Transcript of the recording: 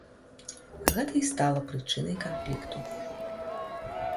Гэта і стала прычынай канфлікту.